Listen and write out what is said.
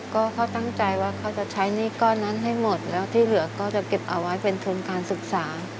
ก็เขาตั้งใจว่าเขาจะใช้หนี้ก้อนนั้นให้หมดแล้วที่เหลือก็จะเก็บเอาไว้เป็นทุนการศึกษา